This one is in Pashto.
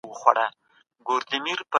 خپل چاپیریال شین او آباد وساتئ.